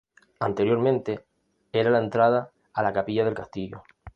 Anteriormente, era la entrada a la capilla del castillo.